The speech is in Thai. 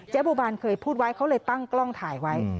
บัวบานเคยพูดไว้เขาเลยตั้งกล้องถ่ายไว้